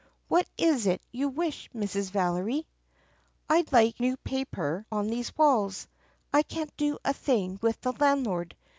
"What is it you wish, Mrs. Valery 4 ?" "I 'd like new paper on these walls. I can't do a thing with the landlord.